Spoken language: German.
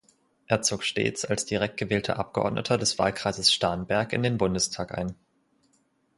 Er zog stets als direkt gewählter Abgeordneter des Wahlkreises Starnberg in den Bundestag ein.